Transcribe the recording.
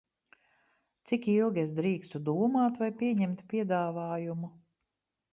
Cik ilgi es drīkstu domāt, vai pieņemt piedāvājumu?